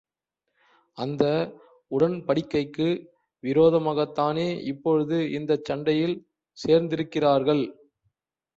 அந்த உடன்படிக்கைக்கு விரோதமாகத் தானே இப்பொழுது இந்தச் சண்டையில் சேர்ந்திருக்கிறார்கள்?